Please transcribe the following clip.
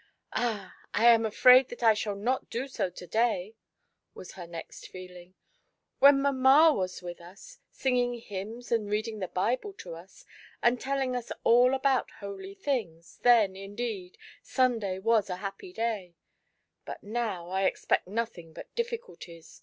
"Ah, I am afraid that I shall not do 1 to day !" was her next feeling. " When lamma was with na, sin^ng hymns and reading the Bible to us, and telling ua all about holy things, then, indeed, Sunday was a happy day ; but now I expect nothing but difficulties.